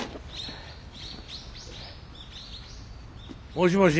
もしもし。